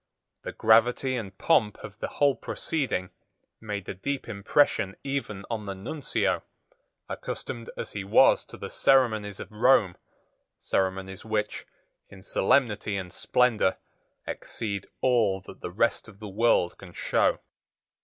The gravity and pomp of the whole proceeding made a deep impression even on the Nuncio, accustomed as he was to the ceremonies of Rome, ceremonies which, in solemnity and splendour, exceed all that the rest of the world can show.